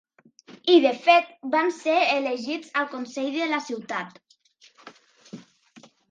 I de fet van ser elegits al consell de la ciutat.